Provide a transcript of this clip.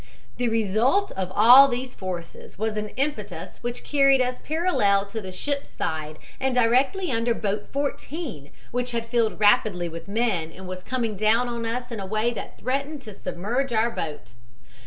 The result of all these forces was an impetus which carried us parallel to the ship's side and directly under boat 14, which had filled rapidly with men and was coming down on us in a way that threatened to submerge our boat.